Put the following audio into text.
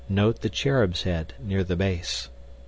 NOTE THE CHERUB'S HEAD NEAR THE BASE.